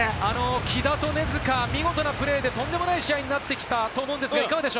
木田と根塚、見事なプレーでとんでもない試合になってきたと思うんですけれども。